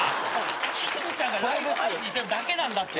欽ちゃんがライブ配信してるだけなんだって。